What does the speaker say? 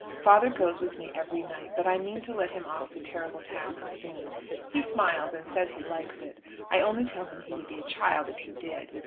Father goes with me every night, but I mean to let him off the terrible task soon. He smiles, and says he likes it. I only tell him he would be a child if he did.